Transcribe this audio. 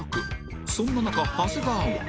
そんな中長谷川は